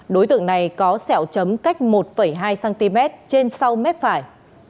đối tượng này có sẹo chấm cách một hai cm trên sau mép phải